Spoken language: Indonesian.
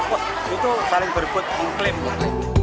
wah itu saling berput mengklaim mengklaim